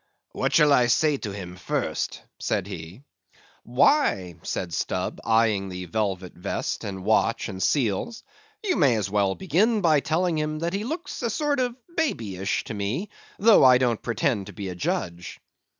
"What shall I say to him first?" said he. "Why," said Stubb, eyeing the velvet vest and the watch and seals, "you may as well begin by telling him that he looks a sort of babyish to me, though I don't pretend to be a judge."